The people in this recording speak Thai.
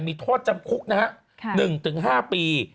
มีโทษจำคุก๑๕ปี